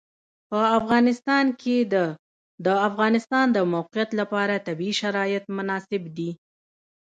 په افغانستان کې د د افغانستان د موقعیت لپاره طبیعي شرایط مناسب دي.